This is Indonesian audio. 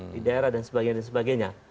di daerah dan sebagainya dan sebagainya